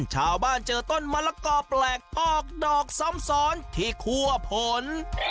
ชาวบ้านเจอต้นมะละกอแปลกออกดอกซ้ำซ้อนที่คั่วผล